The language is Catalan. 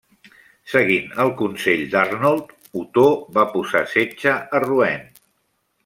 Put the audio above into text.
Seguint el consell d'Arnold, Otó va posar setge a Rouen.